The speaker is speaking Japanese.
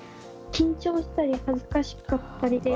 緊張したり恥ずかしかったりで。